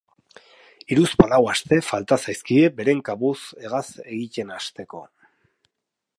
Hiruzpalau aste falta zaizkie beren kabuz hegaz egiten hasteko.